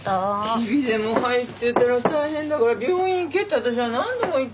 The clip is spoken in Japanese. ひびでも入ってたら大変だから病院行けって私は何度も言ったんだけどね。